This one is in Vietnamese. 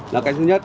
là cái thứ nhất